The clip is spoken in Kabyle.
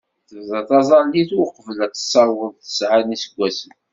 Tebda taẓẓalit uqbel ad tessaweḍ tesɛa n yiseggasen.